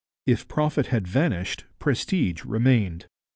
If profit had vanished, prestige remained.